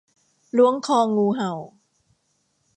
ล้วงคองูเห่า